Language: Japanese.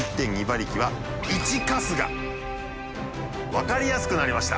分かりやすくなりました。